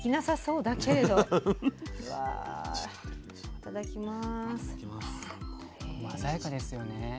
いただきます。